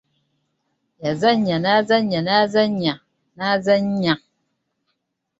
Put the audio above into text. Yazannya, n’azannya, n’azannya n’azannaya.